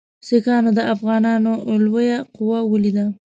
سیکهانو د افغانانو لویه قوه ولیده.